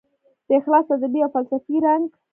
د اخلاص ادبي او فلسفي رنګ